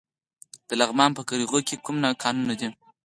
د لغمان په قرغیو کې کوم کانونه دي؟